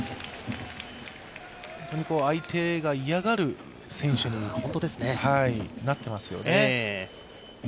相手が嫌がる選手になっていますよね。